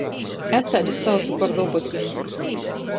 Es taidus saucu par robotim.